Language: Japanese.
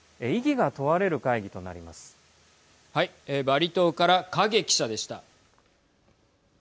バリ島から影記者でした。